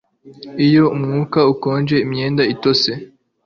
iyo umwuka ukonje, imyenda itose